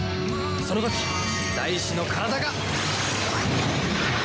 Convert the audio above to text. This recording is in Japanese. その時大志の体が！